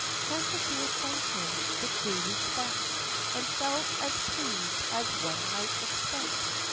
Chanticleer thanked him with due respect, And felt as pleased as one might expect.